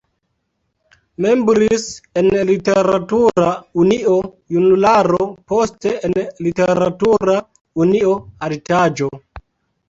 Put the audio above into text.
Membris en Literatura Unio "Junularo", poste en Literatura unio "Altaĵo".